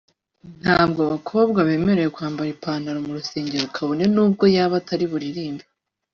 ntabwo abakobwa bemererwa kwambara ipantaro mu rusengero kabone n’ubwo yaba atari buririmbe